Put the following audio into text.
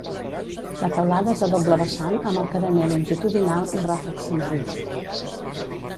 La teulada és a doble vessant amb el carener longitudinal i ràfecs senzills.